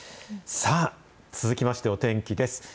さあ、続きまして、お天気です。